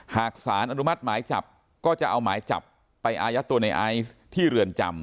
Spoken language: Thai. หากสารอนุมัติหมายจับก็จะเอาหมายจับไปอายัดตัวในไอซ์ที่เรือนจำ